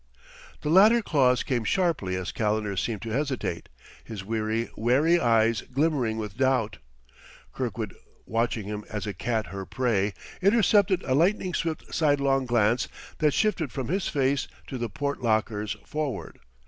The latter clause came sharply as Calendar seemed to hesitate, his weary, wary eyes glimmering with doubt. Kirkwood, watching him as a cat her prey, intercepted a lightning swift sidelong glance that shifted from his face to the port lockers, forward.